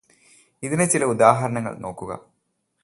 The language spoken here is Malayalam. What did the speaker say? ഇതിന്റെ ചില ഉദാഹരണങ്ങൾ നോക്കുക.